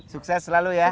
sukses selalu ya